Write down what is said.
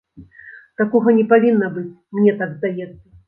Такога не павінна быць, мне так здаецца.